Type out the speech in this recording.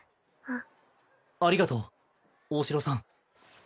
ありがとう大城さん。